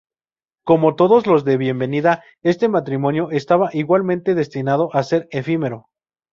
Como todos los de Bienvenida, este matrimonio estaba igualmente destinado a ser efímero.